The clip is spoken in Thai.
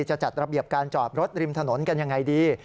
จะจัดระเบียบการจอดรถริมถนนกันยังไงดี